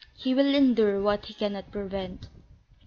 He will endure what he cannot prevent."